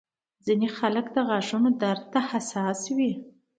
ځینې خلک د غاښونو درد ته حساس وي.